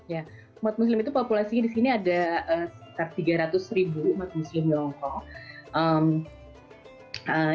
ya umat muslim itu populasinya di sini ada sekitar tiga ratus ribu umat muslim di hongkong